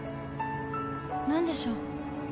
何でしょう。